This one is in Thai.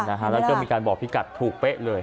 นี่เห็นไหมล่ะนะฮะแล้วก็มีการบอกพิกัดถูกเป๊ะเลย